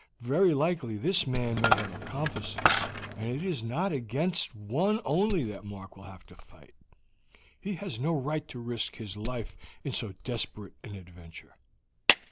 Very likely, this man may have accomplices, and it is not against one only that Mark will have to fight. He has no right to risk his life in so desperate an adventure."